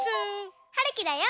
はるきだよ。